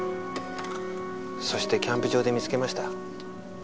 そしてキャンプ場で見つけました。